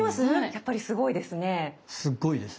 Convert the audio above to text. やっぱりすごいですね。